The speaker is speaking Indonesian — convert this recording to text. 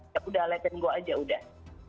ya udah liatin gue aja udah